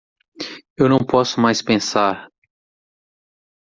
Eu não posso mais pensar.